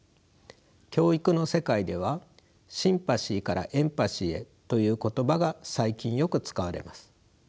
教育の世界ではシンパシーからエンパシーへという言葉が最近よく使われます。